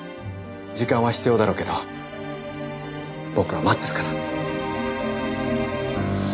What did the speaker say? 時間は必要だろうけど僕は待ってるから。